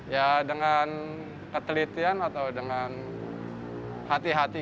ya dengan ketelitian atau dengan hati hati